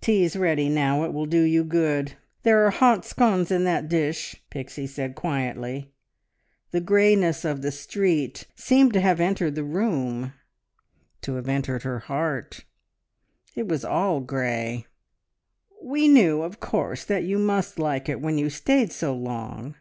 "Tea's ready now; it will do you good. There are hot scones in that dish," Pixie said quietly. The greyness of the street seemed to have entered the room to have entered her heart. It was all grey. ... "We knew, of course, that you must like it, when you stayed so long."